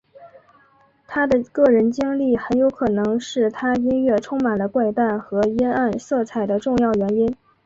他的个人经历很有可能是他音乐充满了怪诞和阴暗色彩的重要原因。